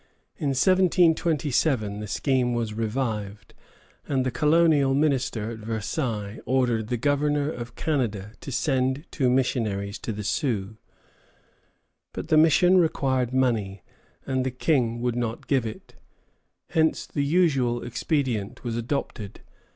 In 1727 the scheme was revived, and the colonial minister at Versailles ordered the Governor of Canada to send two missionaries to the Sioux. But the mission required money, and the King would not give it. Hence the usual expedient was adopted.